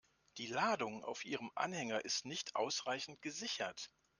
Die Ladung auf Ihrem Anhänger ist nicht ausreichend gesichert.